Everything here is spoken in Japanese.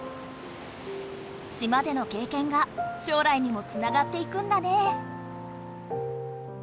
島でのけいけんが将来にもつながっていくんだね。